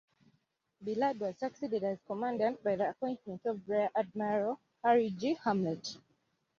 Billard was succeeded as Commandant by the appointment of Rear Admiral Harry G. Hamlet.